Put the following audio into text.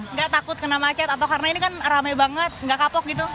nggak takut kena macet atau karena ini kan rame banget nggak kapok gitu